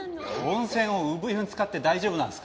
温泉を産湯に使って大丈夫なんですか？